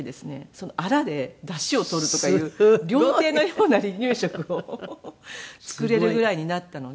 そのアラでダシを取るとかいう料亭のような離乳食を作れるぐらいになったので。